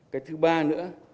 cái thứ ba nữa